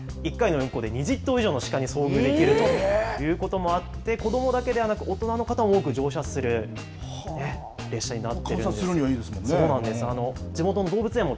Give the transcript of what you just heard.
しかも多いときは、１回の運行で２０頭以上のシカに遭遇できるということもあって、子どもだけではなく、大人の方も多く乗車する観察するにはいいですもんね。